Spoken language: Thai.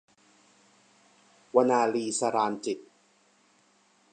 วนาลี - สราญจิตต์